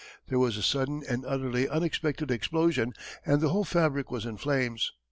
There was a sudden and utterly unexpected explosion and the whole fabric was in flames.